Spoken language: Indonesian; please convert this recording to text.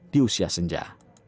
di usia senja